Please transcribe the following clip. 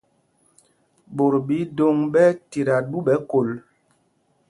Ɓot ɓɛ idôŋ ɓɛ́ ɛ́ tita ɗu ɓɛ kol.